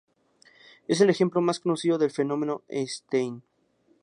Es el ejemplo más conocido del fenómeno de Stein.